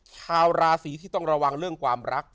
ชาวราศีที่ต้องระวังเรื่องความรัก